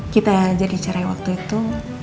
kita jadi cerai waktu itu